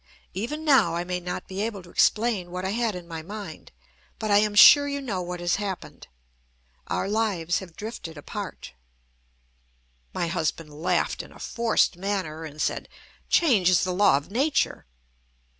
Even now I may not be able to explain what I had in my mind. But I am sure you know what has happened. Our lives have drifted apart." My husband laughed in a forced manner, and said: "Change is the law of nature."